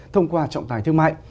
thông qua trọng tài thương mại